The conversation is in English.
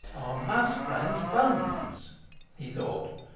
'I MUST raise funds,' he thought.